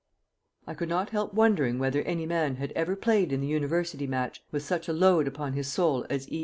I could not help wondering whether any man had ever played in the University match with such a load upon his soul as E.